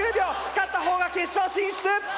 勝った方が決勝進出！